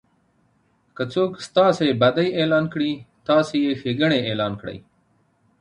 که څوک ستاسي بدي اعلان کړي؛ تاسي ئې ښېګړني اعلان کړئ!